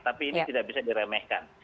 tapi ini tidak bisa diremehkan